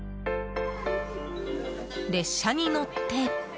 列車に乗って。